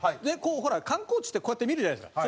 ほら観光地ってこうやって見るじゃないですか。